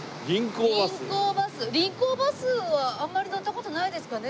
臨港バスはあんまり乗った事ないですかね？